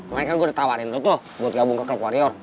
mereka gue udah tawarin lo tuh buat gabung ke klub warrior